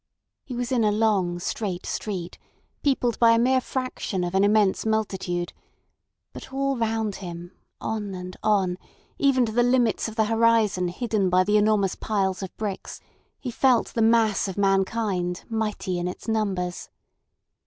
He was in a long, straight street, peopled by a mere fraction of an immense multitude; but all round him, on and on, even to the limits of the horizon hidden by the enormous piles of bricks, he felt the mass of mankind mighty in its numbers.